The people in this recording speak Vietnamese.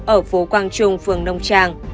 ở phố quang trung phường nông trang